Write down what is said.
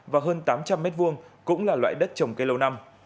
và hơn tám trăm linh m hai cũng là loại đất trồng cây lâu năm